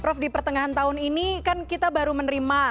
prof di pertengahan tahun ini kan kita baru menerima